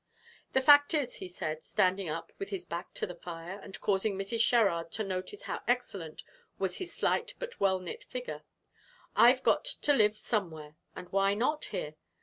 "The fact is," he said, standing up with his back to the fire, and causing Mrs. Sherrard to notice how excellent was his slight but well knit figure, "I've got to live somewhere, and why not here?